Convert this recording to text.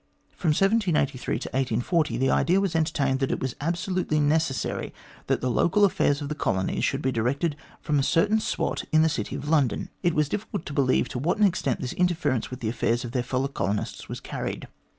From 1783 to 1840 the idea was entertained that it was absolutely necessary that the local affairs of the colonies should be directed from a certain spot in the city of London. It was difficult to believe to what an extent this interference with the affairs of their fellow colonists was carried.